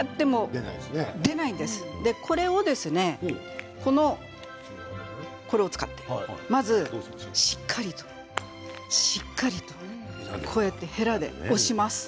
これをですね、へらを使ってまず、しっかりと、しっかりとこうやって、へらで押します。